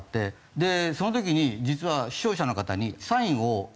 でその時に実は視聴者の方にサインを。